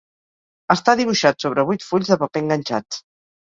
Està dibuixat sobre vuit fulls de paper enganxats.